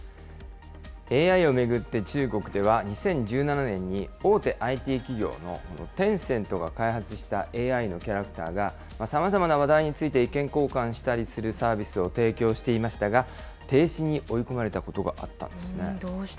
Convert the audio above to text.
ＡＩを巡って中国では、２０１７年に、大手ＩＴ企業のテンセントが開発したＡＩのキャラクターが、さまざまな話題について意見交換したりするサービスを提供していましたが、停止に追い込まれたことがあったんですね。